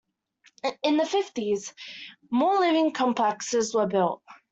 In the fifties, more living complexes were built.